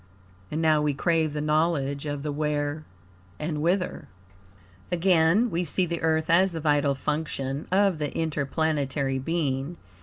And now we crave the knowledge of the Where and Whither. Again, we see the Earth as the vital function of the interplanetary being.